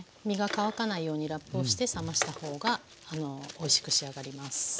身が乾かないようにラップをして冷ました方がおいしく仕上がります。